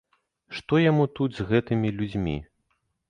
Што яму тут з гэтымі людзьмі?